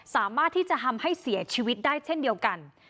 สามารถที่จะทำให้เสียชีวิตได้เช่นเดียวกัน